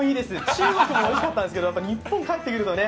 中国もよかったんですけど、日本に帰ってくるとね。